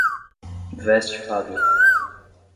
Westfália